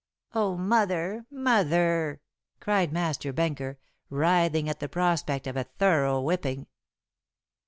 "Oh, mother! mother!" cried Master Benker, writhing at the prospect of a thorough whipping.